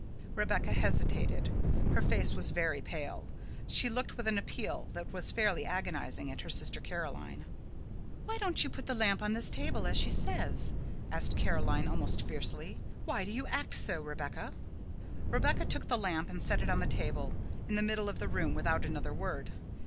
Rebecca hesitated. Her face was very pale. She looked with an appeal that was fairly agonizing at her sister Caroline. "Why don't you put the lamp on this table, as she says?" asked Caroline, almost fiercely. "Why do you act so, Rebecca?" Rebecca took the lamp and set it on the table in the middle of the room without another word.